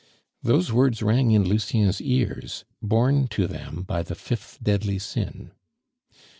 Those words rang in Lucien's ears, borne to them by the fifth deadly sin.